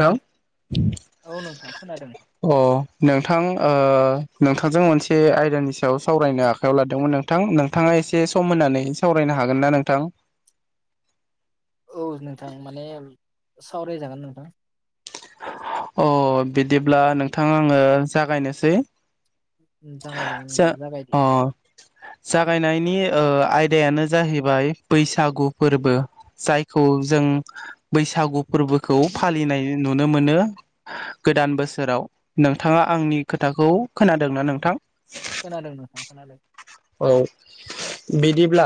थाव औ नोंथां खोनादों [inaudible] अ नोंथां ओ नोंथांजों मोनसे आयदानि सायाव सावरायनो आखायाव लादोंमोन नोंथां नोंथाङा एसे सम होनानै सावरायनो हागोन ना नोंथां? औ नोंथां माने सावरायजागोन नोंथां। अ बिदिब्ला नोंथां आङो जागायनोसै। जागायजागोन जा नोंथां जागायदो अ जागायनायनि ओ आयदायानो जाहैबाय बैसागु फोरबो जायखौ जों बैसागु फोरबोखौ फालिनाय नुनो मोनो। गोदान बोसोराव नोंथाङा आंनि खोथाखौ खोनादोंना नोंथां? खोनादों नोंथां खोनादों। औ बिदिब्ला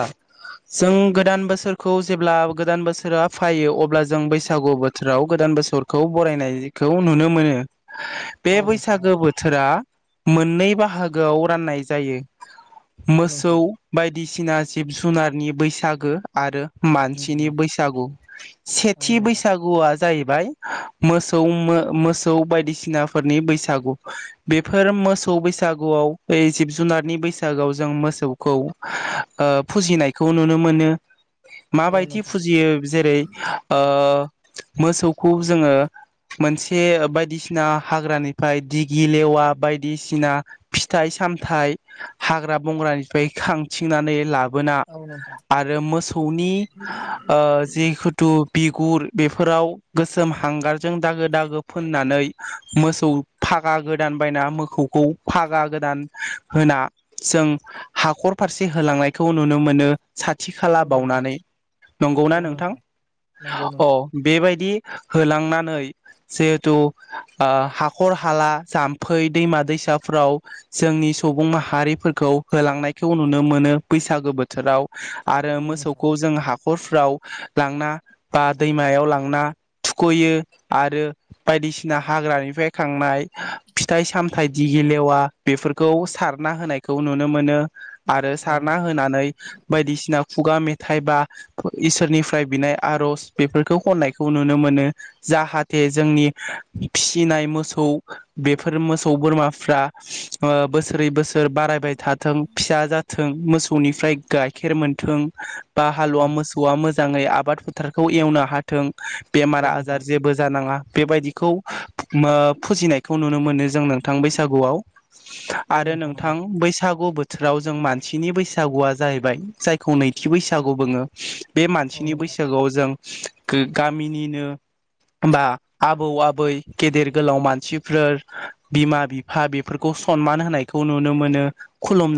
जों गोदान बोसोरखौ जेब्ला गोदान बोसोरा फायो अब्ला जों बैसागु बोथोराव गोदान बोसोरखौ बरायनायखौ नुनो मोनो। बे औ नोंथां औ बैसागो बोथोरा मोननै बाहागोआव राननाय जायो। औ मोसौ नोंथां बायदि दिसिना जिब जुनारनि बैसागो आरो मानसिनि नोंथां बैसागु औ सेथि नोंथां बैसागुआ जाहैबाय मोसौ मो मोसौ बायदिसिनाफोरनि बैसागु बेफोर मोसौ बैसागुआव ए जिब जुनारनि बैसागुआव जों मोसौखौ ओ फुजिनायखौ नुनो मोनो। औ माबायदि फुजियो जेरै ओ मोसौखौ जोङो। मोनसे बायदिसिना हाग्रानिफ्राय दिगि लेवा बायदिसिना फिथाइ सामथाइ हाग्रा बंग्रानिफ्राय खांथिंनानै लाब बोना नोंथां आरो मोसौनि ओ जिखुथु बिगुर बेफोराव गोसोम हांगारजों दागो दागो फोननानै मोसौ फागा गोदान बायना मोखौखौ फागा गोदान होना जों हाखर फारसे होलांनायखौ नुनो मोनो। साथि खाला औ नोंथां औ नोंथां बावनानै नंगौना नोंथां नंगौ अ नोंथां बेबायदि होलांनानै जिहेथु आ हाखर हाला जाम्फै दैमा दैसाफ्राव जोंनि सौबुं माहारिफोरखौ होलांनायखौ नुनो मोनो बैसागो बोथोराव आरो औ नोंथां मोसौखौ जों हा खरफ्राव लांना बा दैमायाव लांना थुखयो आरो बायदिसिना हाग्रानिफ्राय खांनाय फिथाइ सामथाइ दि गेलेवा बेफोरखौ सारना होनायखौ नु नो मोनो आरो सारना औ होनानै बायदिसिना खुगा मेथ थाइबा इसोरनिफ्राय बिनाय आरज बेफोरखौ खन्नायखौ नुनो मोनो जाहाथे जोंनि फिसिनाय मोसौ बेफोर मोसौ बोरमाफ्रा ओ बोसोरै बोसोर थोर बारायबाय थाथों फिसा जा थों मोसौनिफ्राय गाइखेर मोनथों। बा हालुवा नोंथां मोसौआ मोजां जाङै आबाद फोथारखौ एवनो हाथों। बेमार औ नोंथां आजार जेबो जानाङा। बेबायदिखौ मो फुजिनायखौ नुनो मोनो जों नोंथां बैसागुआव। आरो नोंथां बैसाग सागु बोथोराव जों मानसिनि बैसागुआ जाहैबाय जायखौ नैथि बैसागु बुङो। बे औ मानसिनि नोंथां बैसागोआव जों गो गामिनिनो बा आबौ आबै गेदेर गोलाव मानसिफोर बिमा बिफा बेफोरखौ सनमान होनायखौ नुनो मोनो।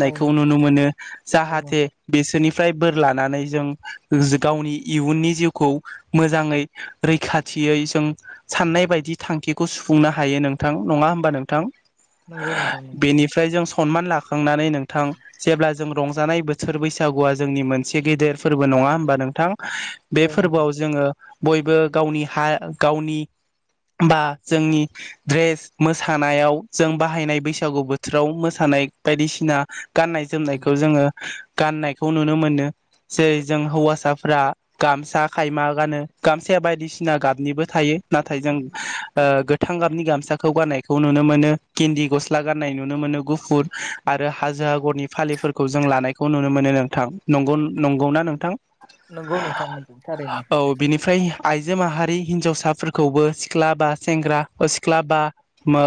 औ नोंथां नुनो मोनो औ नोंथां औ जाहाथे नोंथां बिसोरनि फ्राय बोर लानानै जों गावनि इयुननि जिउखौ मोजाङै रैखाथियै जों साननाय बायदि थांखिखौ सुफुंनो हायो नोंथां नङा होमबा नोंथां? नंगौ नोंथां नंगौ बेनिफ्राय जों सनमान लाख नोंथां जेब्ला जों रंजानाय बोसोर बैसागुआ जोंनि मोनसे गेदेर फोरबो नङा होमबा नोंथां? बे औ नोंथां फोरबोआव जोङो बयबो गावनि हा गावनि बा जोंनि द्रेस मोसानायाव जों बाहायनाय बैसागु बोथोराव मोसानाय बायदिसिना गाननाय जोमनायखौ जोङो गाननायखौ नुनो मोनो जेरै जों हौवासाफ्रा गामसा खायमा गानो गामसाया बायदिसि ना गाबनिबो थायो नाथाय जों ओ गोथां गाबनि गामसा खौ गाननायखौ नुनो मोनो गिन्दि गस्ला गाननाय नुनो मोनो गुफुर आरो हाजो आगरनि फालिफोरखौ जों लानायखौ नुनो मोनो नोंथां नंगौ नंगौना नोंथां? नंगौ नोंथां नंगौ थारैनो। औ बिनिफ्राय आइजो माहारि हिन्जावसाफोरखौबो सिख्ला बा सेंग्रा ओ सिख्ला बा मो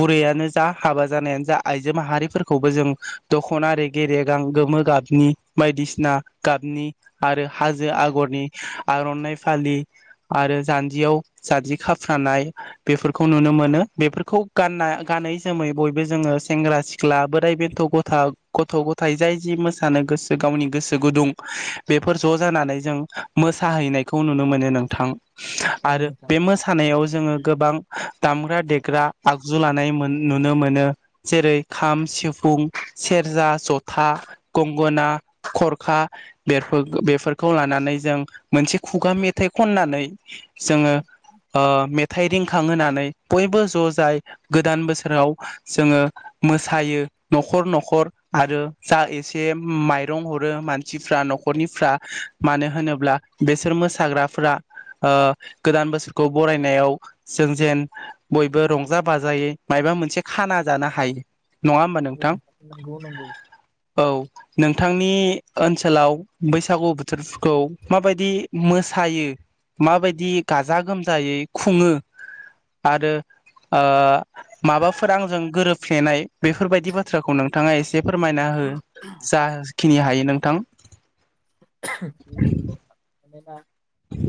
बुरैयानो जा हाबा जानायानो जा आइजो माहारिफोर खौबो जों दखना रेगे रेगां गोमो गाबनि बायदिसिना गाबनि आरो हाजो आगरनि आरनाइ फालि आरो जान्जियाव जान्जि खाफ्रानाय बेफोरखौ नुनो मोनो बेफोरखौ गानना गानै जोमै बयबो जोङो सेंग्रा सिख्ला बोर दै बेन्थ गथा गथ गथाय जाय जि मोसानो गोसो गावनि गोसो गुदुं बेफोर ज जानानै जों मोसाहैनायखौ नुनो मोनो नोंथां। औ आरो नोंथां बे मोसानायाव जोङो गोबां दामग्रा देग्रा आगजु ला नै मोन नुनो मोनो जेरै खाम सिफ फुं सेरजा जथा गंगोना खरखा बेफोरख बेफोरखौ लानानै जों मोनसे खुगा मेथाइ खननानै जोङो ओ मेथ थाइ रिंखांहोनानै बयबो ज' जाय गोदान बोसोराव जोंङो मोसायो। न'खर न'खर आरो जा एसे माइरं हरो मानसिफ्रा न'खरनिफ्रा मानो होनोब्ला बेसोर मोसाग्राफोरा ओ गोदान बोसोरखौ बरायनायाव जों जेन बयबो रंजा बाजायै मायबा मोनसे खाना जानो हायो नङा होमबा नों थां नंगौ नंगौ औ। नोंथांनि ओनसोलाव बैसागु बोथोरफोरखौ माबायदि मोसायो माबायदि गाजा गोमजायै खुंङो आरो ओ माबाफोर आंजों गोरोबफ्लेनाय बेफोरबायदि बा थ्राखौ नोंथांङा एसे फोरमायना हो जाखिनि हायो नोंथां। उम। मानोना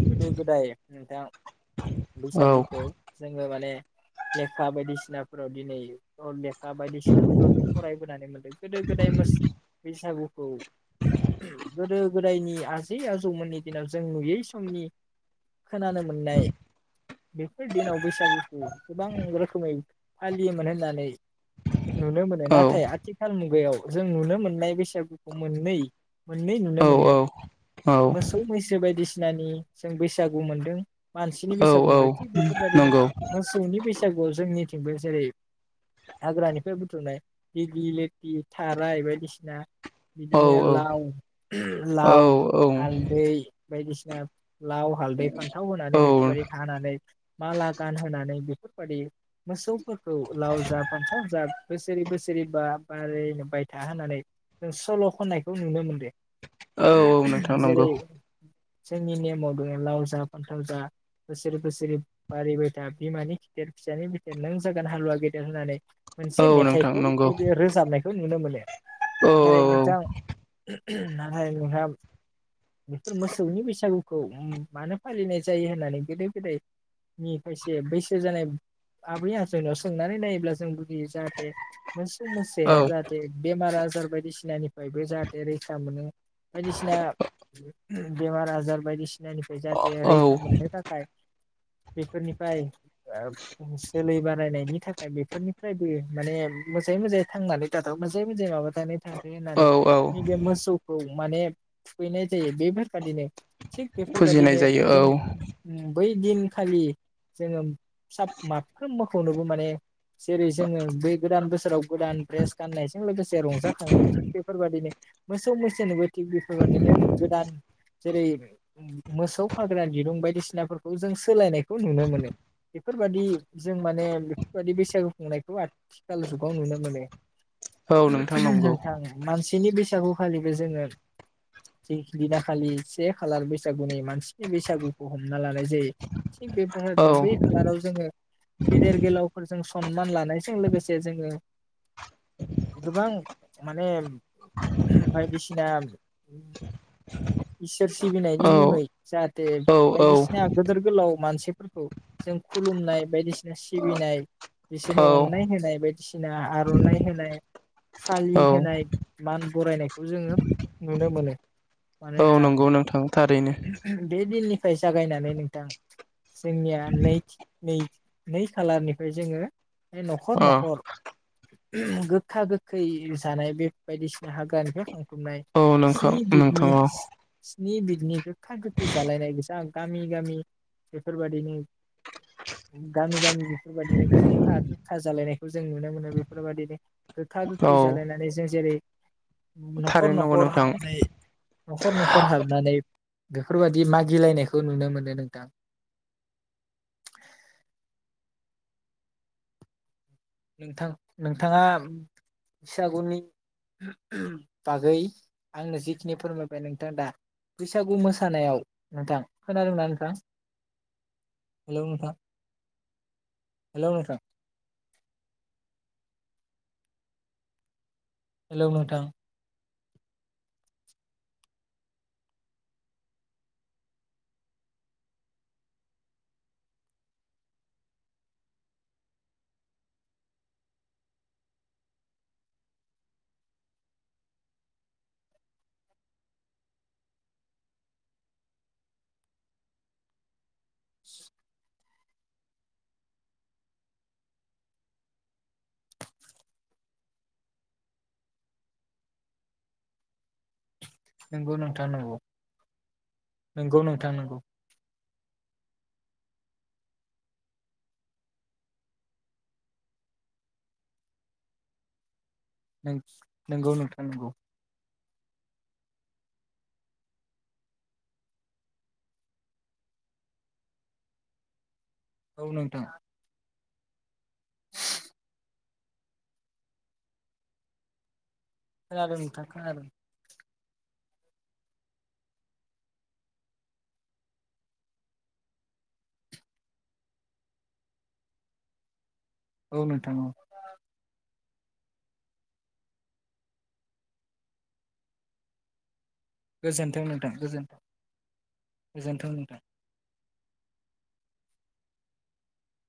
गोदो गोदाय नोंथां औ बैसागुखौ जों जोङो माने लेखा बायदिसिनाफोराव दिनै लेखा बायदिसिनाफोराव जों फरायबोनानै मोनदों गोदो गोदाय मोस बैसागुखौ गोदो गोदायनि आजै आजौमोननि दिनाव जों नुयै समनि खोनानो मोननाय बेफोर दिनाव बैसागुखौ गोबां रोखोमै फालियोमोन होननानै नुनो मोनो औ नाथाय आथिखाल मुगायाव जों नुनो मोननाय बैसागुखौ मोननै मोननै नुनो औ मोनदो औ मोसौ मैसो बा बायदिसिनानि जों बैसागु मोन्दों मानसिनि औ बैसागु औ मोनबाय थिग बेफोरबायदिनो नंगौ मोसौनि बैसागुआव जोंनि [unintelligible] जेरै हाग्रानिफ्राय बुथुमनाय दिग्लि लिथि थाराय बायदिसिना औ बिदिनो औ लाव - औ लाव औ हालदै बायदिसिना लाव हालदै फान्थाव औ होनानै बेफोरबायदि हानानै माला गानहोनानै बेफोरबादि मोसौ फोरखौ लाव जा फान्थाव जा बोसोरै बोसोरै बा बारैबाय था होननानै जों सल खननायखौ नुनो मोनदों। औ - औ [unintelligible] नोंथां नंगौ जेरै जोंनि नेमाव दोंङो लाव जा फान्थाव जा बोसोरै बोसोरै बारिबायथा बिमानि खिथेर फिसानि खिथेर नों जागोन हालुवा गेदेर होननानै औ मोनसे नोंथां मेथाइखौ नंगौ गोदो रोजाबनायखौ नुनो मोनो औ नाथाय नोंथां औ नाथाय नोंहाम बेफोर मोसौनि बैसागु खौ मानो फालिनाय जायो होननानै गोदो गोदायनि खायसे बैसो जानाय आबै आजैनाव सोंनानै नायोब्ला जों जाहाथे मोनसे औ मोसाया जाहाथे बेमार आ जार बायदिसिनानिफ्रायबो जाहाथे रैखा मोनो। बायनिसिना बेमार आजार बायदिसिना निफ्राय जाहाथे औ रैखा मोननो थाखाय बेफोरनिफ्राय ओ जोलै बारायनायनि थाखाय बेफोरनिफ्रायबो माने मोजाङै मोजाङै थांनानै थाथों मोजाङै मोजाङै माबानानै थाथो औ होननानै औ नैबे मोसौखौ माने थुखैनाय जायो बेफोरबादिनो थिग फुजिनाय बेफोरबायदिनो जायो औ जों उम बै दिनखालि जोङो फिसा माफ्रोम मोखौनोबो माने जेरै जोङो बे गोदान बोसोराव गोदान ड्रेस गाननायजों लोगोसे रंजाखाङो थिग बेफोरबायदिनो मोसौ मोसोनोबो थिग बेफो बेफोरबादिनो गोदान जेरै मोसौ खाग्रा दिरुं बायदिसिनाफोरखौ जों सोलायनायखौ नुनो मोनो बेफोरबादि जों माने बेफोरबायदि बैसागु खुंनायखौ आथिखाल जुगाव नुनो मोनो। औ नोंथां [unintelligible] नंगौ नोंथां मानसिनि बैसा गुखालिबो जोङो जि दिनाखालि से खालार बैसागुनि मानसिनि बैसागुखौ हमना लानाय जायो। थिग औ बेफोरबादिनो बै खालाराव जोङो गेदेर गोलावफोरजों सनमान लानायजों लोगोसे जोङो गोबां माने बायदिसिना इसोर सिबिनायनि औ मुङै जाहाथे बायदिसिना गोदोर गोलाव मानसिफोरखौ जों खुलुमनाय बायदिसिना सिबिनाय औ बिसोरो अननाय होनाय बाय दिसिना आर'नाइ होनाय फालि औ होनाय मान बरायनायखौ जोङो नुनो मोनो। औ मानोना नंगौ नोंथां थारैनो। फ्राय जागायनानै नोंथां जोंनिया नै नै नै खालारनिफ्राय जोङो बे न'खर अ न'खर गोखा गोखै जानाय बे बायदिसिना हाग्रानिफ्राय खांथुमनाय। [unintelligible] औ नोंथां औ नि बिदिनि गोखा गोखै जालायनाय गोसा गामि गामि बेफोरबायदिनो गामि गामि बेफोरबायदिनो खुंखा दुंखा जालायनायखौ जों नुनो मोनो बेफोरबायदिनो गोखा औ गोखै जालायनानै जों जेरै न'खर थारैनो न'खर नंगौ नों हाबनानै न'खर न'खर हाबनानै बेफोरबायदि मागिलायनायखौ नुनो मोनो नोंथां। नोंथां नोंथाङा बैसागुनि बागै आंनो जिखिनि फोरमायबाय नोंथां दा बैसागु मोसानायाव नोंथां खोनादों नोंथां हेलौ नोंथां हेलौ नोंथां। हेलौ नोंथां। [inaudible] नोंगौ नोथां नोंगौ नोंगौ नोंथां नोंगौ। नों नोंगौ नोंथां नोंगौ। औ नोंथां खोनादों नोंथां खोनादों औ नोंथां औ गोजोनथों नोंथां गोजोनथों गोजोनथों नोंथां